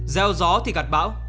gieo gió thì gạt bão